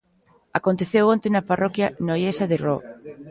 Aconteceu onte na parroquia noiesa de Roo.